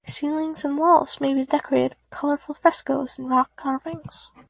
Ceilings and walls may be decorated with colourful frescoes and rock carvings.